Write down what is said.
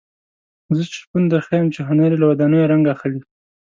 زه شپون درښیم چې هنر یې له ودانیو رنګ اخلي.